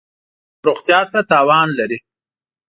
روغتیا ته تاوان لری